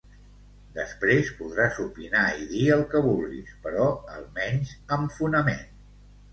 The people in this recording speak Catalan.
Després podràs opinar i dir el que vulguis, però almenys amb fonament.